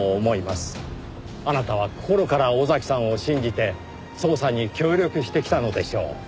あなたは心から尾崎さんを信じて捜査に協力してきたのでしょう。